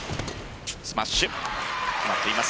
スマッシュ、決まっています。